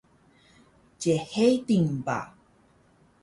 chedil ba